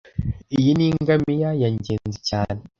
Iyi ni ingamiya ya Ngenzi cyane